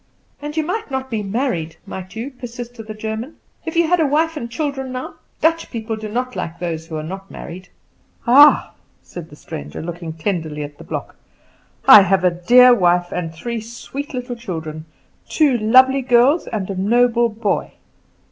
"And you might not be married, might you?" persisted the German. "If you had a wife and children, now? Dutch people do not like those who are not married." "Ah," said the stranger, looking tenderly at the block, "I have a dear wife and three sweet little children two lovely girls and a noble boy."